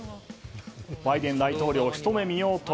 バイデン大統領をひと目見ようと